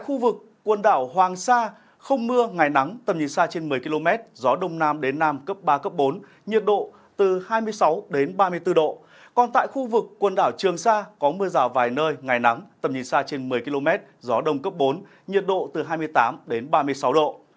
khu vực quần đảo trường sa có mưa rào vài nơi ngày nắng tầm nhìn xa trên một mươi km gió đông cấp bốn nhiệt độ từ hai mươi tám đến ba mươi sáu độ